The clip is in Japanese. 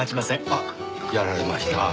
あっやられました。